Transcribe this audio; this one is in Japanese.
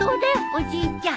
おじいちゃん。